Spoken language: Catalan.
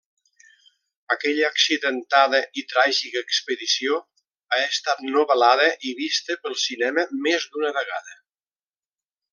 Aquella accidentada i tràgica expedició ha estat novel·lada i vista pel cinema més d'una vegada.